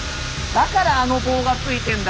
だからあの棒がついてんだ。